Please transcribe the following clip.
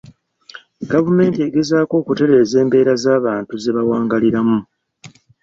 Gavumenti egezaako okutereeza embeera z'abantu ze bawangaaliramu.